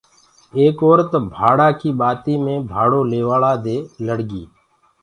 ايڪ اورت ڀاڙآ ڪي ٻآتي مي ڀآڙو ليوآݪآ دي لڙگي